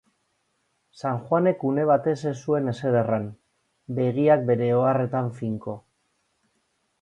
Sanjuanek une batez ez zuen ezer erran, begiak bere oharretan finko.